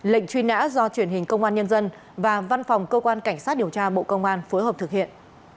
lệnh truy nã do truyền hình công an nhân dân và văn phòng cơ quan cảnh sát điều tra bộ công an phối hợp thực hiện